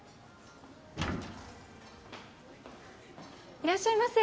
いらっしゃいませ。